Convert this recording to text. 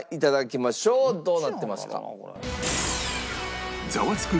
どうなってますか？